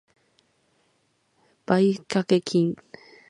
買掛金